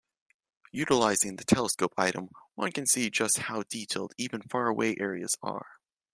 Utilizing the telescope item, one can see just how detailed even far-away areas are.